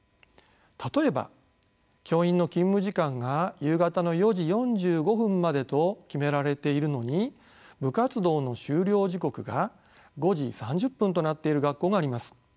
例えば教員の勤務時間が夕方の４時４５分までと決められているのに部活動の終了時刻が５時３０分となっている学校があります。